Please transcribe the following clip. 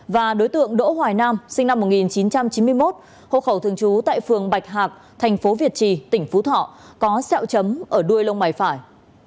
và đối tượng đỗ hoài nam sinh năm một nghìn chín trăm chín mươi một hộ khẩu thường trú tại phường bạch hạc thành phố việt trì tỉnh phú thọ có xeo chấm ở đuôi lông mày phải